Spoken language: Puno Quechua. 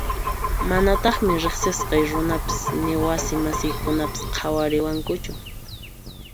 Manataqmi riqsisqay runapis ni wasi masiykunapas qhawariwankuchu.